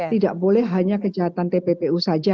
tidak boleh hanya kejahatan tppu saja